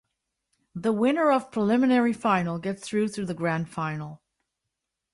The winner of preliminary final gets through to the grand final.